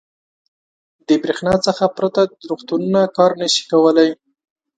• د برېښنا څخه پرته روغتونونه کار نه شي کولی.